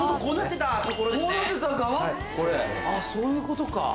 あっそういうことか。